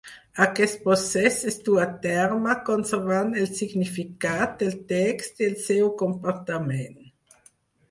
Aquest procés es duu a terme conservant el significat del text i el seu comportament.